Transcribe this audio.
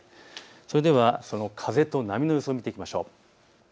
それでは風と波の予想を見ていきましょう。